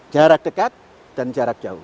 jarak dekat dan jarak jauh